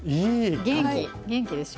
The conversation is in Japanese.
元気元気でしょ。